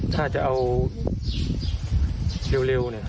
ถ้าจะเอาเร็วเนี่ย